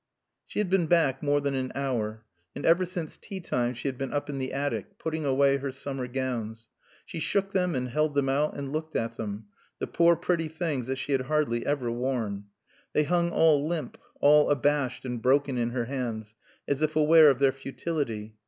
She had been back more than an hour. And ever since teatime she had been up in the attic, putting away her summer gowns. She shook them and held them out and looked at them, the poor pretty things that she had hardly ever worn. They hung all limp, all abashed and broken in her hands, as if aware of their futility.